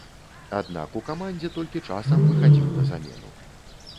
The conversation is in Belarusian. Аднак у камандзе толькі часам выхадзіў на замену.